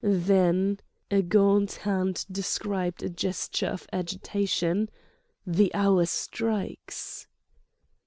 "Then"—a gaunt hand described a gesture of agitation—"the hour strikes!"